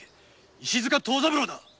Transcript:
石塚藤三郎。